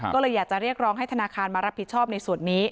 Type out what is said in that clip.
ก็เลยอยากจะเรียกร้องให้ธนาคารมารับผิดชอบในส่วนนี้